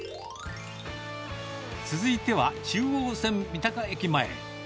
続いては中央線三鷹駅前。